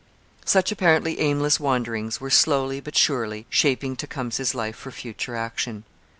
Such apparently aimless wanderings were slowly but surely shaping Tecumseh's life for future action.